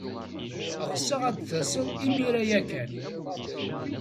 Ɣseɣ ad d-tased imir-a ya kan.